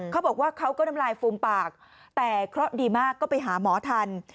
เขาบอกว่าเขาก็น้ำลายฟูมปากแต่เคราะห์ดีมากก็ไปหาหมอทัน